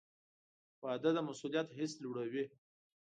• واده د مسؤلیت حس لوړوي.